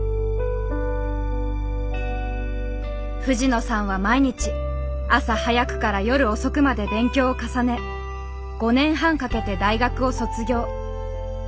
藤野さんは毎日朝早くから夜遅くまで勉強を重ね５年半かけて大学を卒業。